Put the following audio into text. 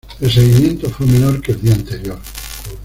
El seguimiento fue menor que el día anterior.